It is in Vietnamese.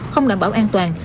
không đảm bảo an toàn